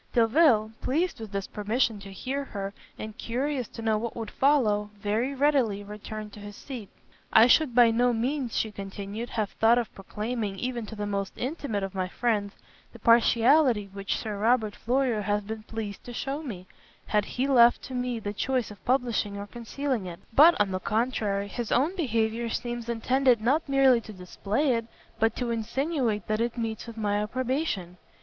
Delvile, pleased with this permission to hear her, and curious to know what would follow, very readily returned to his seat. "I should by no means," she continued, "have thought of proclaiming even to the most intimate of my friends, the partiality which Sir Robert Floyer has been pleased to shew me, had he left to me the choice of publishing or concealing it: but, on the contrary, his own behaviour seems intended not merely to display it, but to insinuate that it meets with my approbation.